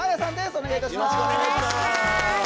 お願いします。